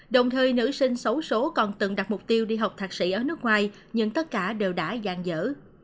đồng thời nữ sinh xấu số còn tự đặt mục tiêu đi học thạc sĩ ở nước ngoài nhưng tất cả đều đã giàn dở